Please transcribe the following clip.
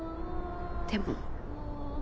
でも。